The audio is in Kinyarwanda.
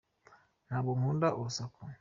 Ntabwo nkunda urusaku.